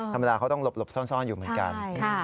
ธรรมดาเขาต้องหลบซ่อนอยู่เหมือนกัน